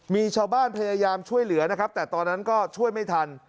มีชาวบ้านพยายามช่วยเหลือนะครับแต่ตอนนั้นก็ช่วยไม่ทัน